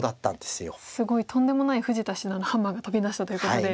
すごいとんでもない富士田七段のハンマーが飛び出したということで。